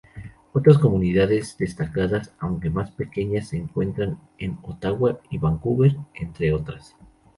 Otras comunidades destacadas, aunque más pequeñas, se encuentran en Ottawa y Vancouver, entre otras.